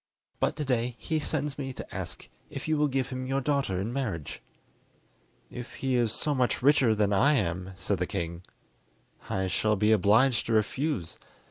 But to day he sends me to ask if you will give him your daughter in marriage?" "If he is so much richer than I am," said the king, "I shall be obliged to refuse.